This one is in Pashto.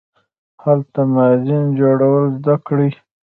هلته ما زین جوړول زده کړل.